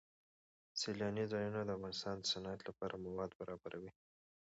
سیلانی ځایونه د افغانستان د صنعت لپاره مواد برابروي.